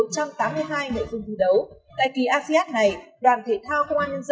tại kỳ asean này đoàn thể thao công an nhân dân có chín vận động viên thạp dự